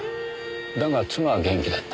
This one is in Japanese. だが妻は元気だった。